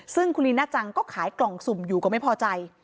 ซึ่งคุณลีน่าจังก็ขายกล่องสุ่มอยู่ก็ไม่พอใจ